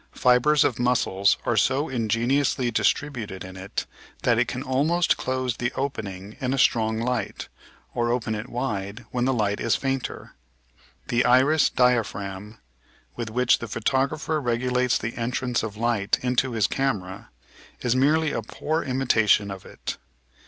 Fibres of muscles are so ingeniously distributed in it that it can almost close the opening in a strong light, or open it wide when the light is fainter. The "iris diaphragm" with which the photographer regulates the entrance of light into his camera is merely a poor imitation of it.